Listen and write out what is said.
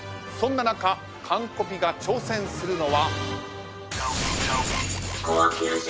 そんな中『カン☆コピ』が挑戦するのは。